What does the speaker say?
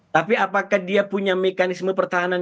tapi apakah dia punya mekanisme pertahanan